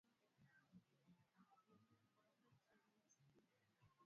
Manyoya ya mgongoni huwa manene na marefu mnyama baada ya kupona ugonjwa wa miguu